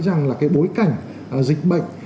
rằng là cái bối cảnh dịch bệnh